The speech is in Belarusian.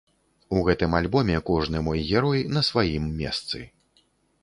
У гэтым альбоме кожны мой герой на сваім месцы.